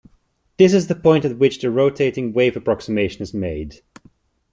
This is the point at which the rotating wave approximation is made.